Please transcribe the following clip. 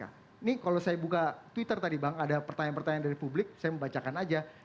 ini kalau saya buka twitter tadi bang ada pertanyaan pertanyaan dari publik saya membacakan aja